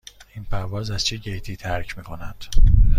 این پرواز از چه گیتی ترک می کند؟